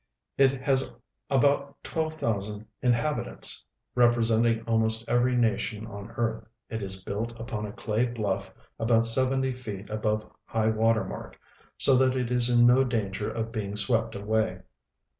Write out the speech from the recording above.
It has about 12,000 inhabitants, representing almost every nation on earth ; it is built upon a clay bluff about seventy feet aliove high water mark, so that it is in no danger of being swept away.